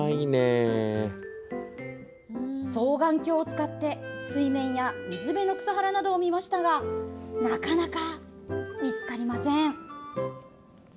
双眼鏡を使って水面や水辺の草原などを見ましたがなかなか見つかりません。